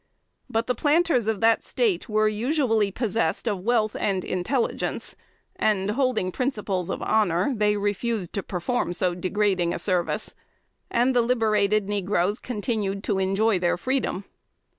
But the planters of that State were usually possessed of wealth and intelligence, and, holding principles of honor, they refused to perform so degrading a service; and the liberated negroes continued to enjoy their freedom.